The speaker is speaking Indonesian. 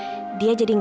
aku akan menangis